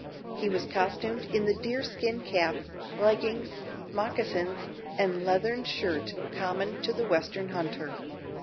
He was costumed in the deerskin cap, leggings, moccasins, and leathern shirt common to the western hunter.